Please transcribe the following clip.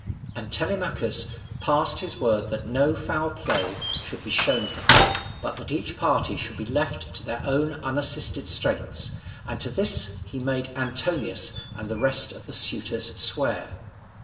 And Telemachus passed his word that no foul play should be shown him, but that each party should be left to their own unassisted strengths, and to this he made Antinous and the rest of the suitors swear.